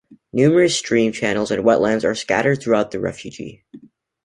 Numerous stream channels and wetlands are scattered throughout the refuge.